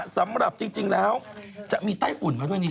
สำหรับจริงแล้วจะมีไต้ฝุ่นมาด้วยนี่